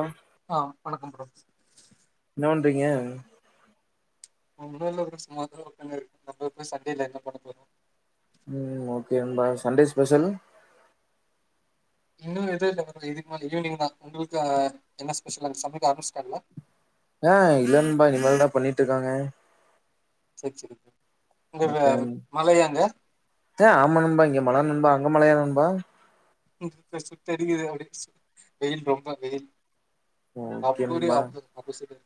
ஆஹ் ஆஹ் வணக்கம் ப்ரோ என்ன பண்றீங்க ஒன்னும்ல்ல ஒரு சுமாதா ஒக்காந்து இருக்கே நம்மப்ப சண்டேல என்ன பண்ண போறோம் உம் ஓகேம்பா சண்டே ஸ்பெஷல் இன்னும் எதுவும் இல்து ஈவினிங்க தா உங்களுக்கு என்ன ஸ்பெஷல் சமைக்க ஆரம்பிச்சிடாங்கலா ஆஹ் இல்லன்பா இனிமேல்தான் பண்ணிட்டு இருக்காங்க ச்சிரு ஏ ஆமா நண்பா இங்க மழ நண்பா அங்க மழ யா நண்பா ப்ப சுத்தடிக்குது அப்ப வெயில் ரொம்ப வெயில் ஓகே அப்புடி நண்பா ஆப்போசிட்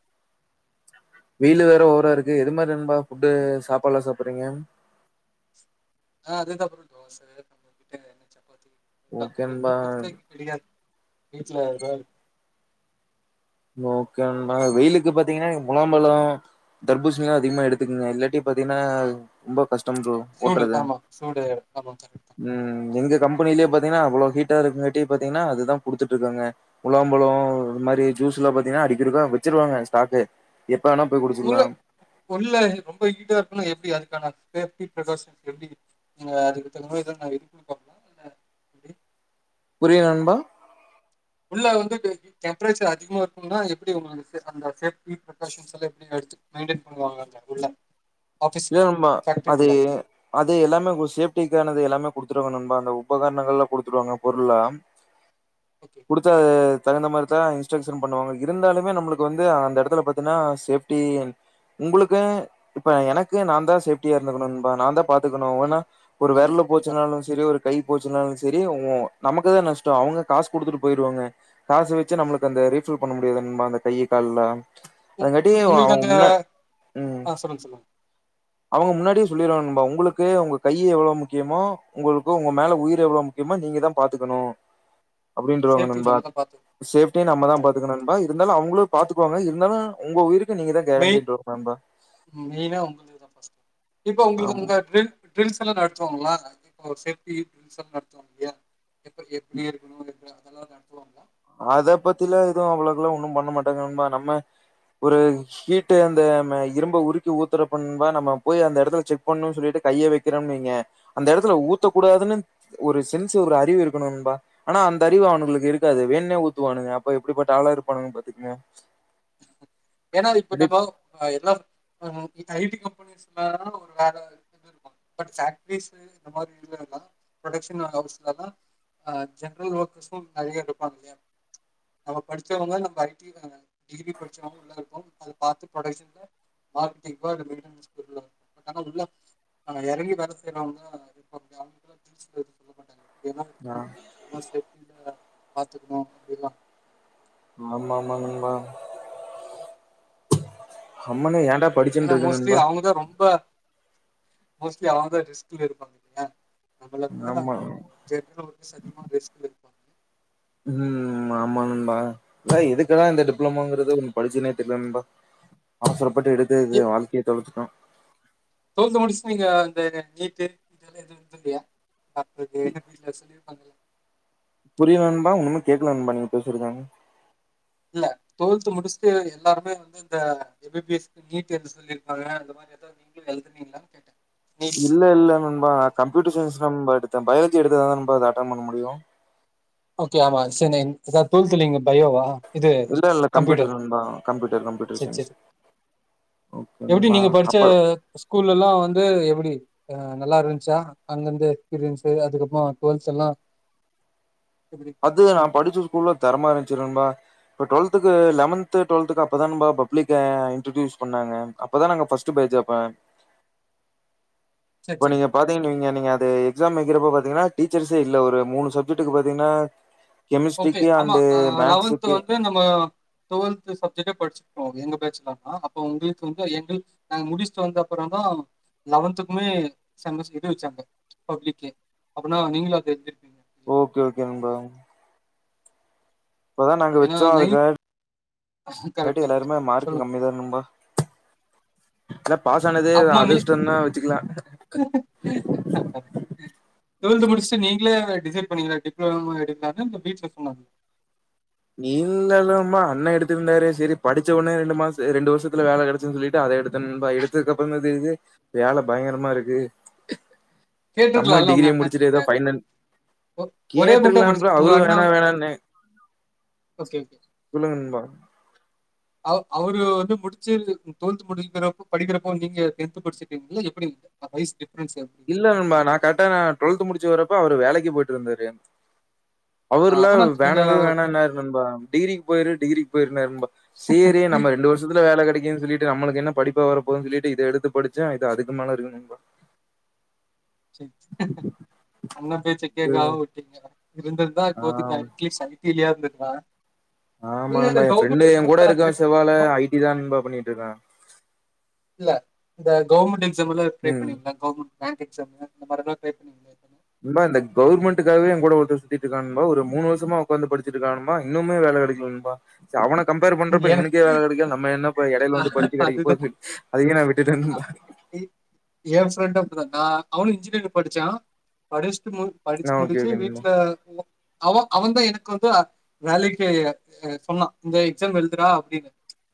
வெயிலு வேற ஓரா இருக்கு எது மாதிரி நண்பா ஃபுட்டு சாப்பாதுலாம் சாப்பிறீங்க ஆஹ் அது அப்புறம் தோசை நம்ம கிட்ட என்ன சப்பாத்தி ஓகே நண்பா பெருசா கிடையாது பீச்சுல ஓகே நண்பா வெயிலுக்கு பாத்தீங்கன்னா முலாம்பழம் தர்பூசணிலிம் அதிகமா எடுத்துக்குங்க இல்லாட்டி பாத்தீங்கன்னா ரொம்ப கஷ்டம் ப்ரோ சூடு ஒட்றது ஆமா சூடு ஆமா கரெக்ட் தா உம் எங்க கம்பெனிலயே பாத்தீங்கன்னா அவ்வளோ ஹீட்டா இரு பாத்தீங்கன்னா அதுதான் கூடுத்துட்டு இருக்காங்க உளாம்பழம் இது மாதிரி ஜூஸ்ல பாத்தீங்கன்னா அடிக்க இருக்கா வச்சிருவாங்க ஸ்டாக்கு எப்ப வேணா போய் குடிச்சிக்கலா ஒல்ல ரொம்ப ஹீட்டா இருக்குன்னா எப்படி அது சேபி பிகாஷன் எப்ப அதுக்கு எலாம் புரியலநண்பா உள்ள வந்து டெம்பரேச்சர் அதிகமா இருக்கும்ன்னா எப்படி உங்களுக்கு அந்த சேப்டி பிகாஷன்ஸ் எல்லாம் எப்டி எடுத்து மெயின்டன் பண்ணுவாங்க அ உள்ள ஆஃபீஸ்ல இல்ல நண்பா அது ஃபேக்ட்ரிக்குள்ள அது எல்லாமே சேப்டிக்கானது எல்லாமே குடுத்துருவங்க நண்பாஅந்த உபகரணங்கள் எலாம் குடுத்துருவாங்க பொருளா ஓகே குடுத்த தகுந்த மாதிரி த இன்ஸ்டரஷன் பண்ணுவாங்க இருந்தாலுமே நம்மளுக்கு வந்து அந்த இடத்துல பாத்திகன்னா சேப்டி உங்களுக்கு இப்ப எனக்கு நான் தான் சேப்டியா இருந்துகணும்பா நான் தான் பாத்துக்கணும்ன்னா ஆமா ஒரு ஆமா விரலு கரெக்ட் போச்சனாலும் சரி ஒரு கை போச்சுனாலும் சரி நமக்குதான் நஷ்டம் அவுங்க காசு குடுத்துட்டு போயிடுவாங்க காசு வச்சு நம்மளுக்கு அந்த ரீபில் பண்ண முடியாதுமா அந்த கையி கால்லா உ அதுங்காட்டி உங்களுக்கு அவங்க அந்த முன்னா ம் ஆஹ சொல்லுங்க சொல்லுங்க அவங்க முன்னாடியே சொல்லிருவாபா உங்களுக்கு உங்க கையி எவ்வளவு முக்கியமோ உங்களுக்கு உங்க மேல உயிர் எவ்வளவு முக்கியமோ நீங்க தான் பாத்துக்கணும் அப்படின்றவாங்க சேஃப்டி நண்பா நம்ம தா பாத்து சேப்டியினு நம்ம தான் பாத்துக்கணும் நண்பா இருந்தாலும் அவுங்களும் பாத்துக்குவாங்க இருந்தாலும் உங்க உயிருக்கு நீங்க தான் மெய் கேரண்டிடோ நண்பா. ஸ். இப்ப உங்களுக்கு ஆமா உங்க டெல் டெல்ஸ் எல்லாம் நட. த்துவோங்களா இப்ப சேஃப்டி ஃப்ரெண்ட்ஸ் நடத்துவாங்க இல்லையா. எப்ப எப்படி இருக்கணும் எல்லா. அதல்லாம் நடத்துவங்களா. அத பத்திலாம் எதுவும் அவ்வளவுக்கெல்லாம் ஒன்னும் பண்ண மாட்டேங்க நண்பா நம்ம ஒரு ஹீட்டு அந்த இரும்ப உருக்கி ஊத்துறப்ப நண்பா நம்ம போய் அந்த இடத்துல செக் பண்ணும்னு சொல்லிட்டு கைய வைக்கிறோம்வீங்க. அந்த இடத்துல ஆமா ஊத்தக்கூடாதுன்னு. ஒரு சென்ஸ் ஒரு அறிவு இருக்கணும் நண்பா. ஆனா அந்த அறிவு அவனுங்களுக்கு இருக்காது வேண். ணே ஊத்துவானுங்க அப்ப எப்படிப்பட்ட ஆளா இருப்பானுங்க பாத்துக்கங்க. [inaudible] ஏன்னா இப்ப அடி நம்ம எல்லாம் பண்ணனு. இது ஐடி கம்பெனிஸ்ல்லாம் ஒரு வேற இது இருக்கு. பட் சேட்டடீஸ்சு இந்த மாதிரி இதுல்லாம் ப்ரொடெக்ஷன் ஹைஸ்ல்லாம் ஜென்ரல் ஒர்க்கர்ஸும் நறைய இருப்பாங்க இல்லையா. நம்ம படிச்சவங்க நம்ம ஐடி வேல. டிகிரி படிச்சவங்க உள்ள இருப்போம் அத பாத்து ப்ரொடக்ஷன்ல மார்கெட்டிங் புல்லா இருக்கும் பட் ஆனா உள்ள இறங்கி வேல செய்றவனுங்க இப்போ அ அவங்களுக்களாம் சொல்ல மாட்டாங்க. இப்படியெல்லாம் இருக்கணும் ஆஹ இதெல்லாம் சேஃப்டியில பாத்துக்கணும் அப்படிலா. ஆமா ஆமா நண்பா. அம்மன்னே ஏன்டா. படிச்சுன்ட்டு ஏன்னா இருக்க மோஸ்ட்லி நண்பா அவங்கதான் ரொம்ப. மோஸ்ட்லி அவங்கதான் ரிஸ்க்ல இருப்பாங்க இல்லையா. நம்மள விட ஆமா. கொஞ்சம் ஜென்ரல் ஒர்க்கர்ஸ் வந்து அதிகமாக ரிஸ்கில்ல இருப்பாங்க. உம் ஆமா நண்பா இல்ல எதுக்குடா இந்த டிப்ளமோங்கிறது ஒன்னு படிச்சனே தெரியல நண்பா அவசரப். பட்டு எடுத்து வாழ்கையே தொலச்சிட்டோம். டொல்த்து முடிச்சு நீங்க அந்த நீட்டு இதெல்லாம் எதுவும் இது இல்லையா. டாக்டர்க்கு எதுக்கு வீட்ல சொல்லிருப்பாங்கள. புரியல நண்பா ஒண்ணுமே கேட்கல நண்பா நீங்க பேசுரதுங். இல்ல டொல்து முடிச்சுட்டு எல்லாருமே வந்து இந்த எம் பிபி எஸ்கு நீட்டு எழுத சொல்லிருக்காங்க அந்த மாதிரி ஏதாவது நீங்களும் எழுதுனீங்களானு கேட்ட. இல்ல இல்ல நன்பா கம்ப்யூட்டர் சைன்ஸ் நம்ப எடுத். த பயாலஜி எடுத்தாதான் நம்ப இத அட்டன் பண்ண முடியும். ஓகே ஆமா சரின்னை எதா டொல்த்ல நீங்க பயோவா. இது இல்ல இல்ல கம்ப்யூட்டர் நண்பா கம்ப்யூட்டர் கம்ப்யூட்டர் சயின்ஸ் சேரிச்சேரி. ஓகே எப்படி நண்பா நீங்க படிச்ச அப்ப ஸ்கூல்ல எல்லாம் வந்து எப்படி. அஹ நல்லா இருந்துச்சா அங்கிருந்து எக்ஸ்பீரியன்ஸ்சு அதுக்கப்புறோ டுவெல்த் எல்லாம். அது நா படிச்ச ஸ்கூல்ல தரமா இருஞ்சு நண்பா. இப்ப டுவெல்த்துக்கு லெவன்து டுவெல்த்துக்கு அப்பதான் பப்ளிக்கே இன்டுடியூஸ் பண்ணாங்க அப்பதான் நாங்க பஸ்ட பேஜ் அப்ப. செரி இப்ப செரி நீங்க பாத்தீங்கன் வைங்க நீங்க அது எக்ஸ்சாம் வைக்கரப்போ பாத். ஏனா டீச்சர்ஸே இல்ல ஒரு மூணு சப்ஜெட்க்கு பாத்தீங்கன்னா ஓகே கெமிஸ்ட்ரிக்கு ஆமா அண்டு லெவன்த் மேக்ஸுக்கு வந்து நம்ம டுவல்த் சப்ஜெட் படிச்சு எங்க பேட்ச்தான அப்போ உங்களுக்கு வந்து எங்க நாங்க முடிச்சுட்டு வந்த அப்புறம் தான் லெவன்துக்குமே செமஸ் எது வச்சாங்க பப்ளிகே அப்பனா நீங்களும் அதே ஓகே ஓகே நண்பா இப்பதான் நாங்க ஏன்னா வச்சோம் நைன் அதுக்க கரெக்ட் கட்டியும் கரெக்ட் எல்லாருமே மார்க்கு சொல்லுங்க கம்மி தான்நண்பா எல்ல பாஸ் ஆனதுே அப்பமா நீ அதிர்ஷ்டனா வச்சுக்கலாம் டு்வெல்த் முடிச்சுட்டு நீங்களே டிசைட் பண்ணீங்களா டிப்ளமோ எடுக்கலான்னு இந்த வீட்டில் சொன்னாங்கள இ இல்லல்லமா அண்ணன் எடுத்துட்டு இருந்தாரு சரி படிச்ச உடனே ரெண்டு மாசம் ரெண்டு வருஷத்துல வேலை கிடைச்சன்னு சொல்லிட்டு அதை எடுத்தே நண்பா எடுத்ததுக்கு அப்புறம் தான் தெரியுது வேலை பயங்கரமா இருக்கு நம்முலும் கேட்டிருக்கலாம்ல உங்க டிகிரிய அண்ணன் முடிச்சுட்டுட்டு கிட்ட ஏதோ பைனல் ஒ- ஒரே மட்டும் கேட்டுருக்கலாம் படிச்சு ப்ரோ உங்க அவரும் அண்ணன் வேணா வந்து- வேணாம்னு ஓகே ஓகே சொல்லுங்க நண்பா [inaudible] அவ அவரு வந்து முடிச்சு டுவெல்த் முடிகிரப்போ படிக்கிறப்போ நீங்கெ டென்த்து படிச்ச எப்படி வயசு டிஃபரன்ஸ் எப்படி இல்ல நண்பா நான் உங்களுக்கு கரெடா டுவல்த் முடிச்சு வர்றப்ப அவரு வேலைக்கு போயிட்டு இருந்தாரு ஆ, அவர் எல்லாம் அப்பனா நீங்க வேணவே வேணாம்ன்னாரு நண்பா டிகிரிக்கு போயிரு டிகிரிக்கு போயி சேரி நம்ம ரெண்டு வருஷத்துல வேலை கிடைக்க இது சொல்லிட்டு நம்மளுக்கு என்ன படிப்பா வர போதுன்னு சொல்லிட்டு இது எடுத்து படிச்சே இது அதுக்கு மேலஇருக்கு அண்ண பேச்ச ம் கேக்கம விட்டீங்க இருந்ததுதான் ஆ இப்போது அட்டிலிஷ் ஐ டி லியாது பா ஆமா ஆமா என் ஃப்ரெண்டு என் கூட ட்ரை இருக்கான் பண்ணீங்களா செவ்வால ப்ரோ ஐடி நண்பா பண்ணிட்டு இருக்கோன் இல்ல இந்த கவுர்மெண்ட் எக்ஸா இந்த முற ம் டிரைபண்ணிருங்க கவர்மெண்ட் பேங்க் எக்ஸாமு இந்தமாரி டிரைப்பன்னு நண்பா கவர்மெண்ட்டுக்காகவே என் கூட ஒருத்தன் சுத்திட்டு இருக்கான் நண்பா ஒரு மூணு வருஷமா உக்காந்து படிச்சிட்டு இருக்கான் நண்பா இன்னுமே வேலை கெடைக்கல நண்பா அவனுக் கம்பேர் பண்றப்ப ஏன்னா இவனுக்கே வேலை கிடைக்கல நம்ம என்ன இப்ப எடையில வந்து படிச்சு அதுதான் கிடைக்கப்போது அதுக்கே நான் விட்டுட்டேன் அ- நண்பா என் ஃப்ரெண்ட் அவனும் இன்ஜினியரிங் படிச்சான் அப்டியே படிச்சு ஆ ஓகே முடிச்சு ஓகே நண்பா வீட்ல அவ அவன் தான் எனக்கு வந்து வேலைக்கு சொன்னான் இந்த எக்ஸாம் எழுதுடா அப்டின்னு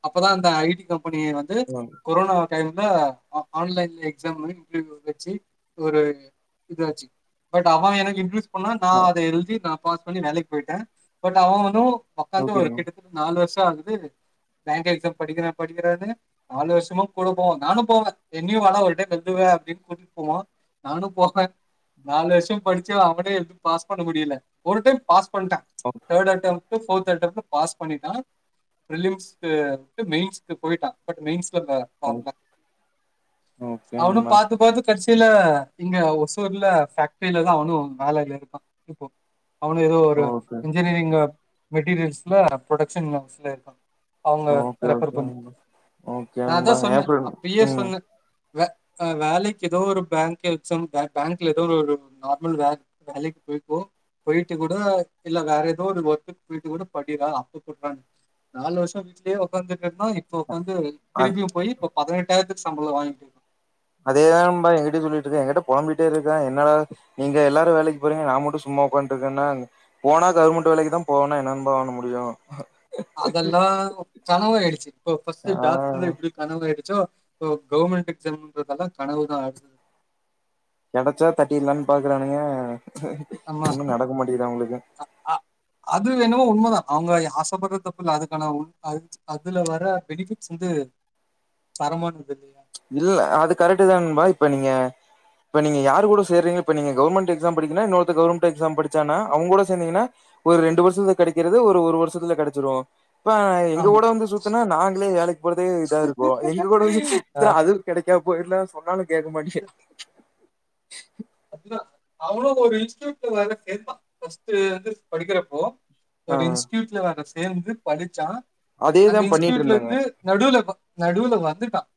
அப்பதான் அந்த ஐடி கம்ப இப்ப நீ வந்து ஆ கொரோனா டைம்ல ஆன்லைன்ல எக்ஸாம்ந்து இன்டர்வியூ வச்சு ஒரு இது வச்சு பட் அவ எனக்கு இன் னா ஆ நான் அதை எழுதி நான் பாஸ் பண்ணி வேலைக்கு போயிட்டேன் பட் அவுனும் உக்காந்து ஓகே ஒரு நண்பா கிட்ட நாலு வருஷம் ஆகுது பேங்க் எக்ஸாம் படிக்கிறேன் படிக்கிறேனு நாலு வருஷமும் கூட போவேன் நானும் போவேன் என்னையும் வாடா ஒரு டைம் எதுவ அப்படின்னு கூட்டிட் போவான் நானும் போவேன் நாலு வருஷம் படிச்ச அவனே பாஸ் பண்ண முடியல ஒரு time pass [unintelligible] okay third attempt fourth அட்டெம்ட்ல பாஸ் பண்ணிட்டான் பில்லிம்ஸ்கு மெயின்ஸ்கு போயிட்டான் பட் மெயின்ஸ் ஓ [unintelligible] ஓகே அவனும் நண்பா பாத்து பாத்து கடிச்சு ல்ல இங்க ஒசூர்ல பேஃக்ட்ரீலதான் அவனும் வேலையில இருக்கான் இப்போ அவனு ஏதோ ஒரு ஓகே இன்ஜீனியரிங்க மெட்டீரியல்ஸ்ல ப்ரொடக்ஷன் மந்ஸ் ல இருக்கான் அவங்க ஓகே ரெஃபர் ஓகே பண்ணு ஓகே நான் நண்பா தான் ஏ சொன்னே ஃப்ரெண்ட் அப்பியே ம் சொன்னே வே வேலைக்கு ஏதோ ஒரு பேங்க் எக்ஸாம் பேங்க்ல ஏதோ ஒரு நார்மல் வே வேலைக்கு போய்கோ போயிட்டு கூட இல்ல வேற ஏதோ ஒரு ஒர்க்குக்கு போயிட்டு கூட படிறா அப்ப போடுறா நாலு வருஷம்வீட்லே உகாந்து இப்ப ஒக்காந்து அத் திரும்பியும் போய் இப் பதினெட்டாயிரத்துக்கு சம்பளம் வாங்கிட்டு இரு அதேதான் பாய் எங்கிட்டயும் சொல்லிட் என்கிட்ட பொழம்பிட்டே இருக்கான் என்னட நீங்க எல்லாரும் வேலைக்கு போறீங்க நான் மட்டும் சும்மா உட்காட்டு இருக்கேன்னா போனா கவர்மென்ட் வேலைக்கி தான் போவேனா என்னபா பண்ண முடியும் அதெல்லாம் கனவாயிடுச்சு இப்போ பஸ்ட் ஆ டாக்டர் எப்படி கனவாயிடுச்சோ இப்ப கவர்மெண்ட் எக்ஸாம் முங்றதெல்ல கனவுதான் அது கிடைச்சா தட்டிரிலாம்னு பாக்குறானுங்க ஆமா ஒன்னு நடக்க மாட்டேங்குது அவுங்களுக்கு அஅ அது வேணுமோ உண்மைதான் அவங்க ஆசைப்படுற தப்புல்ல அதுக்கான அது அதுல வர பெனிஃபிட்ஸ் வந்து தரமானது இல்லையா இல்ல அது கரெக்ட் தான்பாய் இப்ப நீங்க இப்ப நீங்க யார் கூட சேறீங்க இப்ப நீங்க கவுர்மெண்ட் எக்ஸாம் படிக்கன்னா இன்னொருத்த கவுர்மெண்ட் எக்ஸாம் படிச்சானா அவங்க கூட சேந்தீங்கன்னா ஒரு ரெண்டு வருஷத்துல கிடைக்கிறது ஒரு ஒரு வருஷத்துல கிடைச்சிரும் இப்ப எங்க ஆமா. கூட வந்து சுத்துனா நாங்களே வேலைக்கு போறதே இதா இருக்கும் எங்க கூட வந்து சுத்தி ஆ, சுத்ர அது கிடைக்கா போயிர்ல சொன்னாலிங் கேட்க மாட்டி அதுதான். அவனும் ஒரு இன்ஸ்டியூட்ல வர கேப்பான் பஸ்ட்ட் வந்து படிக்கிறப்போ ஆ ஒரு இன்ஸ்டியூட்ல வர சேந்து படிச்சான் அந்த அதேதா பண்ணிட்டு இன்ஸ்டூட்ல இருந்தாங்க இருந்து நடுல நடுவுல வந்துட்டான்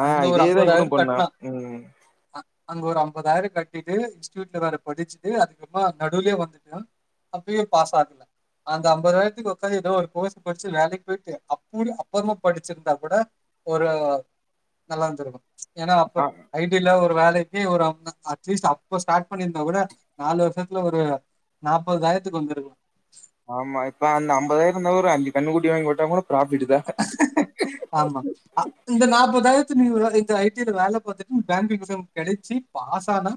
ஆ அங்க ஒரு இதேதா இவனு அம்பதாயிரம் பண்ணா கட்னா ம் அங்க ஒரு அம்பதாயிரம் கட் இதே இன்ஸ்டூட்ல வேற படிச்சுட்டு அதுக்கப்புறமா நடுலயே வந்துட்டு அப்பியே பாஸ் ஆகல அந்த ஐம்பதுாயிரத்துக்கு ஒக்காது எதோ ஒரு கோர்ஸ்டிச்சு வேலைக்கு போயிட்டு அப்புடி அப்புறமா படிச்சிருந்தா கூட ஒரு நல்லா இருந்துருக்கும் ஏன்னா அப்ப ஆ ஐடில ஒரு வேலை இன்னக்கி ஒரு [unintelligible] அட்லீஸ்ட் அப்ப ஸ்டார்ட் பண்ணிருந்தா கூட நாலு வருஷத்துல ஒரு நாப்பதாயிரத்துக்கு வந்திருக்கலா ஆமா இப்ப அந்த அம்பதாயிர இருந்தா கூட அஞ்சு கன்னுக்குட்டி வாங்கி விட்டா கூட ப்ராஃபிட் தா ஆமா அ இந்த நாப்பதாயி ரத்துக்கு இந்த ஐ டி வேல பாத்துட்டு நீ பேங்கிங் எக்ஸாம் கெடைச்சி பாஸ் ஆனா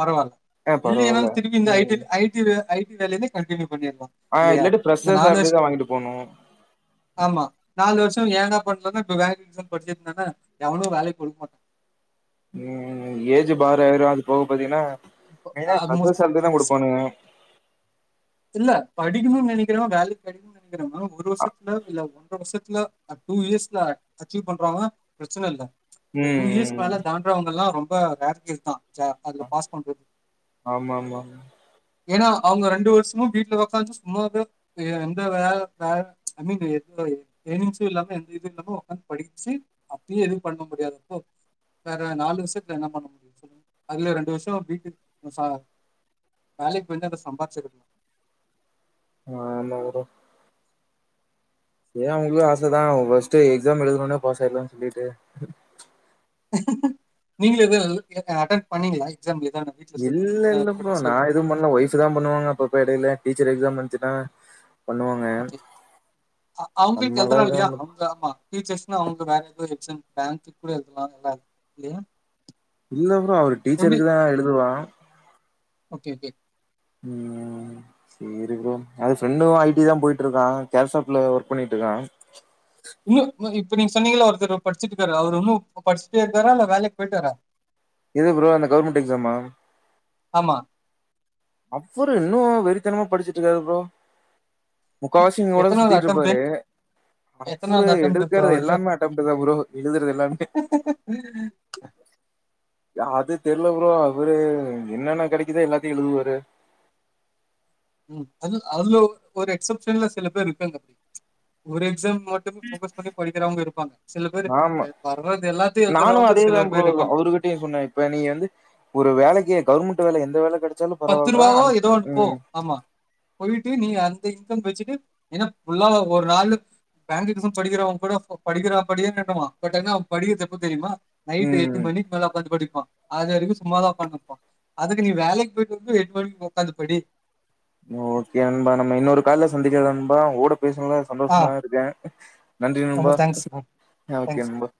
பரவால்ல ஆ பரவால்ல இல்லயினாலு திருப்பி இந்த ஐ டி ஐ டி ல ஐ டி வேலலயே கண்டினுயு ஆஹ் இல்லாட்டி ஃபிரெஷ்ஷர் சேலரிதா வாங்கிட்டு போகணு ஆமா நாலு வருஷோ ஏண்டா பண்லனா இப்ப பேங்க் எக்ஸாம் படிச்சிட்ருந்தனா எவனு வேலையு குடுக்க மாட்டா உம் ஏஜ் பார் ஆய்டு அது போக பாத்தீங்கனா இப்போ மெய்னா ஃபிரஷ்ஷர் சாலரிதா குடுப்பானுக இல்ல படிக்கனுன்னு நெனைக்கிறவ வேலை கெடைக்கும்னு [unintelligible] [unintelligible] ஒரு அ வருஷத்துல இல்ல ஒன்ர வருஷத்துல அ டூ இயர்ஸ்ல அச்சீவ் பண்றாங்னா பிரச்சன இல்ல இந்த டூ ம் இயர்ஸ் ம் மேல தான்றவங்க எல்லா ரொம் ப ரேர் கேஸ்தா ச்சா அதுல பாஸ் பண்றது ஆமா ஆமா ஏன்னா அவங்க ரெண்டு வருஷ் சும்மா வீட்ல ஒக்காந்து சும்மாவே து எந்த வே வே ஐ மீன் எந்த எய்ம்ஸு இல்லாம எந்த இது இல்லாம உக்காந்து படிச்சு அப்டியே எது பண்ண முடியாது அப்போ வேற நாலு வருஷத்துல என்ன பண்ண முடிய சொல்லு அதுல ரெண்டு வருஷ வீட்டு ச வேலைக்கு வந்து அத சம்பாதிச்சுருக்கலா ஆமா ப்ரோ ஏன் அவங்களுக்கு ஆசதா ஃபஸ்ட் எக்ஸாம் எழுதனவுடனே பாஸ் ஆயிரலான்னு சொல்லிட்டு நீங்களு இது இத அட்டெண்ட் பண்ணீங்களா எக்ஸாம் எதுனா வீட்ல சொல்லி, இல்ல இல்ல ப்ரோ ஃப்ரெண்ட்ஸ் நா சொல்லி? எதுவு பண்ணல ஒய்ஃப்தா பண்ணுவாங்க அப்பப்போ எடையில டீச்சர் எக்ஸாம் வந் துச்சுனா ஓகே அ அவுங்க நம்மளா எழுதுல இல்லையா எதுவும் அவுங்க ஆமா டீச்சர்ஸ்னா அவங்க வேற எது எக்ஸாம் பேங்க்கு கூட எழுதலா எல்லா இல்லையா இல்ல ப்ரோ அவ எப்படி? டீச்சருக்குதா எழுதுவா ஓகே ஓகே உம் சேரி ப்ரோ அது ஃப்ரெண்டும் ஐ டி தா போயிட்ருக்கா கேர்ஷாஃப்ட்ல ஒர்க் பண்ணிட்ருக்கா இன்னு இன்னு இப்ப நீங்க சொன்னீங்கல்ல ஒருத்தரு படிச்சுட்டு இருக்காரு அவரு இன்னு படிச்சுட்டே இருக்காரா இல்ல வேலைக்கு போயிட்டாரா எது ப்ரோ அந்த கவுர்மெண்ட் எக்ஸாமா ஆமா. அவரு இன்னு வெறித்தனமா படிச்சுட்டு இருக்காரு ப்ரோ முக்காவாசி எங்கூடதா எத்தனாவது சுத்திட்டு அட்டெம்ப்ட்? இருப்பாரு அவரு எத்தனாவது அட்டெம்ப்ட் இப்ப எடுக்கறது அவருக்கு? எல்லாமே அட்டம்ட்டுதா ப்ரோ எழுதுறது எல்லாமே அ அது தெரியல ப்ரோ அவரு என்னென்ன கெடைக்குதா எல்லாத்தையு எழுதுவாரு உம் அது அதுல ஒரு எக்சப்ஷன்ல சில பேர் இருக்காங்க அப்டி ஒரு எக்ஸாம் க்கு மட்டுமே ஃபோகஸ் பண்ணி படிக்கிறவங்க இருப்பாங்க சில பேர் ஆமா அ வர்றது எல்லாத்தையும் நானு எழுதுறவங்க சில அதேதா ப்ரோ பேர் இருப்பாங்க அவருகிட்டயு சொன்னே இப்ப நீ வந்து ஒரு வேலைக்கு கவர்மெண்ட் வேல எந்த வேல கெடச் பத்து ரூபாவோ இருப்பதே ஆமா போயிட்டு நீ அந்த போன் வச்சட்டு ஏனா ஒரு நாள் பேங்க்ண்ட் படிக்கிறவன் கூட படிக்கிறா படிக்கிறான் பட் அவ படிக்கிறது எப்ப தெரியுமா நைட்டு எட்டு ம் மணிக்கு மேல ஓக்காந்தி படிப்பா அதுவரைக்கும் சும்மாதா உக்காந்துருப்போம் அதுக்கு நீ வேலைக்கு போய்ட்டு புக்கு எட்டு் மணிக்கு உக்காந்து படி ஓகே நண்பா இன்னொரு கால்ல சந்திக்கல நண்பா ஓட பேசனல்லா ஆ சந்தோஷமா இருக்கே நன்றி ரொம்ப நண்பா தேங்க்ஸ் மேம், ஓகே தேங்க்ஸ் நண்பா